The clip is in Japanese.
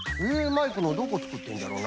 マイクのどこつくってるんじゃろうな？